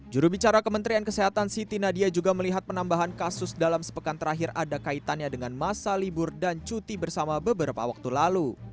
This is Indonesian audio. jurubicara kementerian kesehatan siti nadia juga melihat penambahan kasus dalam sepekan terakhir ada kaitannya dengan masa libur dan cuti bersama beberapa waktu lalu